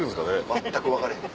全く分かれへん。